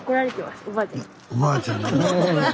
おばあちゃんに。